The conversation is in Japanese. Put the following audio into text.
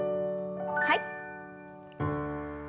はい。